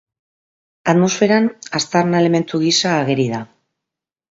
Atmosferan aztarna-elementu gisa ageri da.